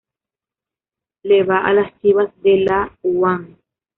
Le va a las chivas de la uanl